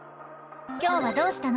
今日はどうしたの？